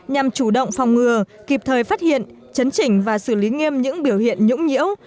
nhằm chủ động phòng ngừa kịp thời phát hiện chấn chỉnh và xử lý nghiêm những biểu hiện nhũng nhĩu